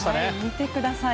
見てください。